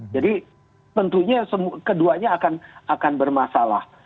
jadi tentunya keduanya akan bermasalah